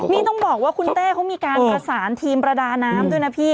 นี่ต้องบอกว่าคุณเต้เขามีการประสานทีมประดาน้ำด้วยนะพี่